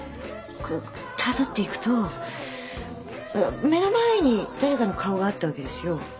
こうたどっていくと目の前に誰かの顔があったわけですよ。